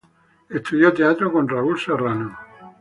Estudió teatro con Raúl Serrano.